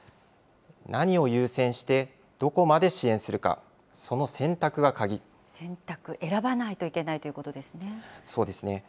何を優先してどこまで支援するか、選択、選ばないといけないとそうですね。